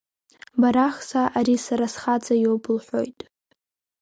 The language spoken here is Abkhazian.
Бара хса, ари сара схаҵа иоуп, — лҳәоит.